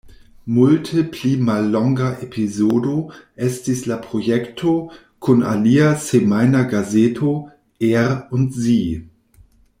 Multe pli mallonga epizodo estis la projekto kun alia semajna gazeto, "Er und Sie.